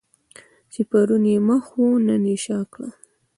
چې پرون یې مخ وو نن یې شا کړه.